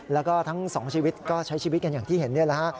แล้วก็ทั้งสองชีวิตก็ใช้ชีวิตกันอย่างที่เห็นนี่แหละฮะ